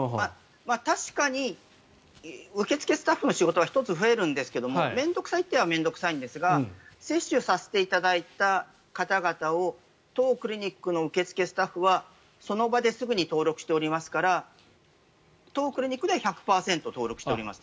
確かに受付スタッフの仕事が１つ増えるんですけど面倒臭いといえば面倒臭いんですが接種させていただいた方々等クリニックの受付スタッフはその場ですぐに登録していますから当クリニックでは１００％登録しています。